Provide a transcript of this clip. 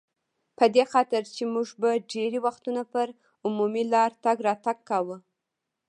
په دې خاطر چې موږ به ډېری وختونه پر عمومي لار تګ راتګ کاوه.